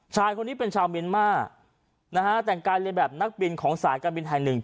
ชายคนนี้เป็นชาวเมียนมาร์นะฮะแต่งกายเรียนแบบนักบินของสายการบินแห่งหนึ่ง